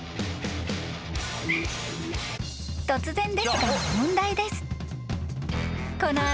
［突然ですが問題です］